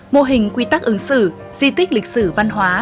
mô hình quy tắc ứng xử di tích lịch sử văn hóa